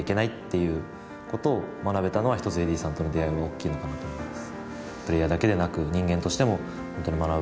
いうことを学べたのは一つエディーさんとの出会いが大きいのかなと思います。